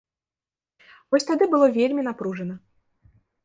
Вось тады было вельмі напружана.